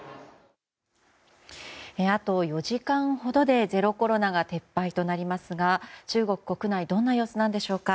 あと４時間ほどでゼロコロナが撤廃となりますが中国国内はどんな様子なんでしょうか。